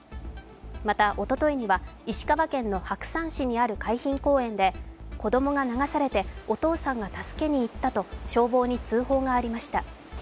また、おとといには石川県の白山市にある海浜公園で子供が流されてお父さんが助けにいったと消防に通報がありました。